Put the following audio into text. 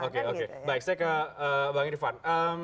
oke baik saya ke bang irvan